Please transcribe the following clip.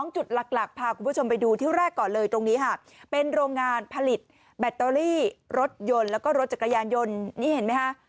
จุดหลักพาคุณผู้ชมไปดูที่แรกก่อนเลยตรงนี้ค่ะเป็นโรงงานผลิตแบตเตอรี่รถยนต์แล้วก็รถจักรยานยนต์นี่เห็นไหมฮะ